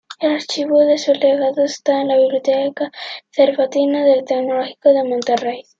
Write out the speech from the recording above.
El archivo de su legado está en la Biblioteca Cervantina del Tecnológico de Monterrey.